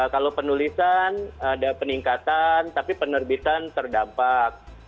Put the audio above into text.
kalau penulisan ada peningkatan tapi penerbitan terdampak